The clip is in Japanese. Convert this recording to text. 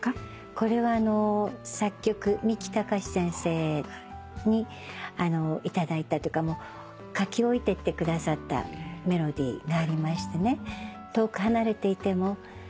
これは作曲三木たかし先生に頂いたというか書き置いていってくださったメロディーがありましてね「遠く離れていても同じ月が見えるよね」